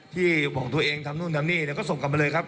ที่บอกตัวเองทำนู่นทำนี่เดี๋ยวก็ส่งกลับมาเลยครับ